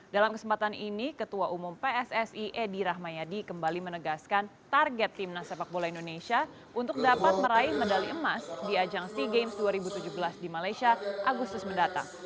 dalam kesempatan ini ketua umum pssi edi rahmayadi kembali menegaskan target timnas sepak bola indonesia untuk dapat meraih medali emas di ajang sea games dua ribu tujuh belas di malaysia agustus mendatang